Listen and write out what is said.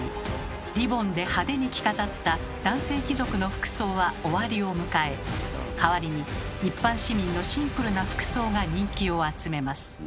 リボンで派手に着飾った男性貴族の服装は終わりを迎え代わりに一般市民のシンプルな服装が人気を集めます。